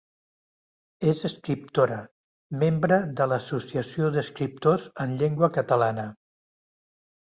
És escriptora, membre de l'Associació d'Escriptors en Llengua Catalana.